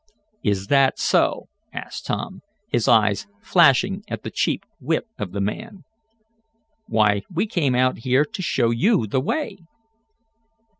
"Is that so?" asked Tom, his eyes flashing at the cheap wit of the man. "Why we came out here to show you the way!"